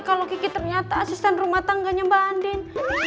kalau kiki ternyata asisten rumah tangganya mbak andin